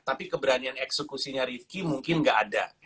tapi keberanian eksekusinya rizki mungkin gak ada